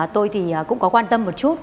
tôi thì cũng có quan tâm một chút